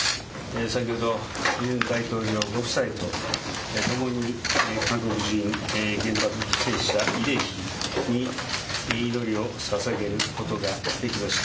先ほどユン大統領ご夫妻とともに原爆犠牲者慰霊碑に祈りをささげることができました。